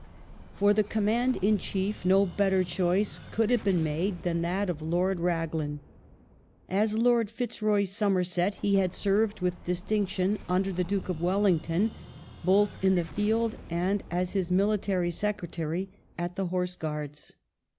For the command in chief no better choice could have been made than that of Lord Lord Rag Raglan. As Lord Fitzroy Somerset he had served with distinction ^^" under the Duke of Wellington both in the field and as his military secretary at the Horse Guai'ds.